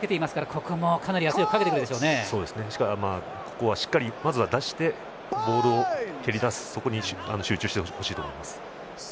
ここはしっかりまずは出してボールを蹴り出すことに集中してほしいと思います。